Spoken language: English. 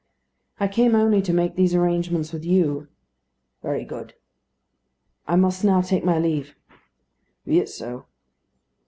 "I came only to make these arrangements with you." "Very good." "I must now take my leave." "Be it so."